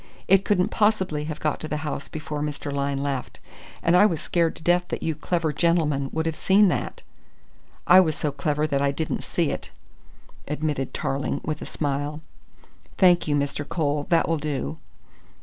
It couldn't possibly have got to the house before Mr. Lyne left, and I was scared to death that you clever gentlemen would have seen that." "I was so clever that I didn't see it," admitted Tarling with a smile. "Thank you, Mr. Cole, that will do."